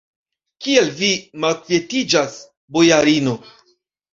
Kial vi malkvietiĝas, bojarino?